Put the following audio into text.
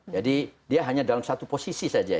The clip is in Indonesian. dia hanya dalam satu posisi saja